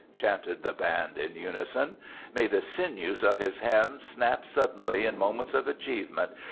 chanted the band in unison. "May the sinews of his hams snap suddenly in moments of achievement!